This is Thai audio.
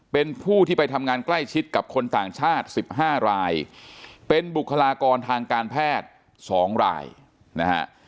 เป็นผู้ที่ไปทำงานใกล้ชิดกับคนต่างชาติ๑๕รายเป็นบุคลากรทางการแพทย์๒รายนะฮะ